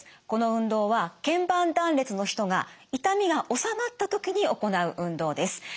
この運動は腱板断裂の人が痛みが治まった時に行う運動です。